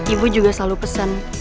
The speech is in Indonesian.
ibu juga selalu pesen